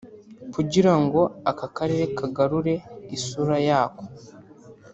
kugira ngo aka Karere kagarure isura yako